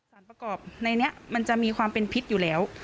สารประกอบในนี้มันจะมีความเป็นพิษอยู่แล้ว